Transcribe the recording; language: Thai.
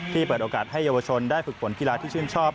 เปิดโอกาสให้เยาวชนได้ฝึกฝนกีฬาที่ชื่นชอบ